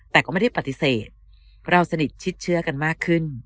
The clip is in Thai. แต่ก็ไม่ได้ปฏิเสธเราสนิทชิดเชื้อกันมากขึ้น